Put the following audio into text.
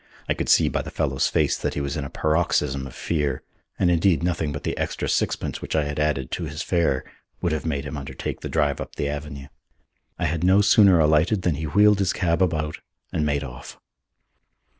I could see by the fellow's face that he was in a paroxysm of fear, and indeed nothing but the extra sixpence which I had added to his fare would have made him undertake the drive up the avenue. I had no sooner alighted than he wheeled his cab about and made off.